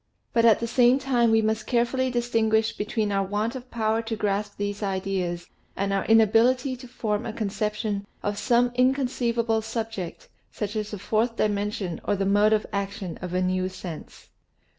But at the same time we must carefully distinguish between our want of power to grasp these ideas and our inability to form a conception of some inconceivable sub ject, such as a fourth dimension or the mode of action of a new sense.